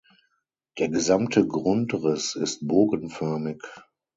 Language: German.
Der gesamte Grundriss ist bogenförmig.